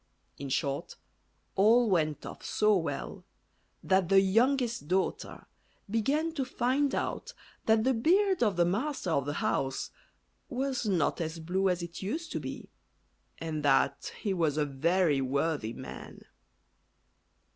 In short, all went off so well, that the youngest daughter began to find out that the beard of the master of the house was not as blue as it used to be, and that he was a very worthy man.